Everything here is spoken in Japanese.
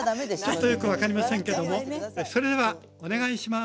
ちょっとよく分かりませんけどもそれではお願いします。